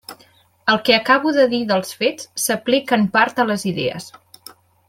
El que acabo de dir dels fets s'aplica en part a les idees.